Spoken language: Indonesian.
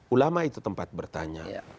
ulama itu tempat bertanya